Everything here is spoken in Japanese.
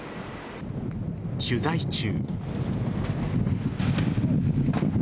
取材中。